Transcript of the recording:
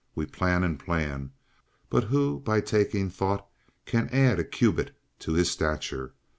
We plan and plan, but who by taking thought can add a cubit to his stature?